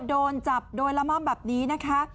โดนจับโดยละม่อมแบบนี้นะคะ